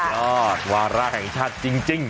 รอดวาระแห่งชาติจริง